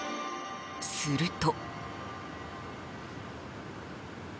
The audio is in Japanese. すると。